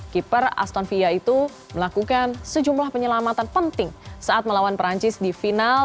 keeper aston villa itu melakukan sejumlah penyelamatan penting saat melawan perancis di final